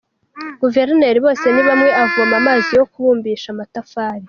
Guverineri Bosenibamwe avoma amazi yo kubumbisha amatafari.